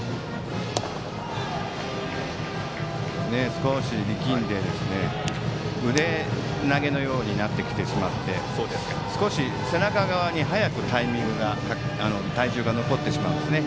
少し力んで腕投げのようになってきて少し背中側に早く体重が残ってしまうんですね。